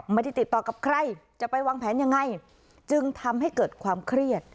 ไม่ได้ติดต่อกับใครจะไปวางแผนยังไงจึงทำให้เกิดความเครียด